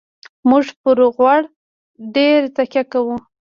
موږ پر غوړ ډېره تکیه کوو.